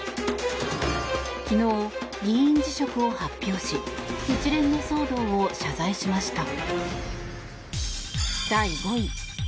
昨日、議員辞職を発表し一連の騒動を謝罪しました。